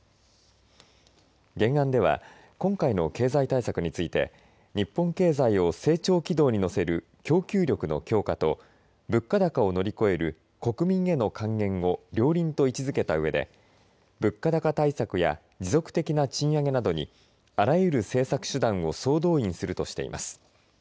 原案では今回の経済対策について日本経済を成長軌道に乗せる供給力の強化と物価高を乗り越える国民への還元を両輪と位置づけたうえで物価高対策や持続的な賃上げなどにあらゆる政策手段を総動員するとしています。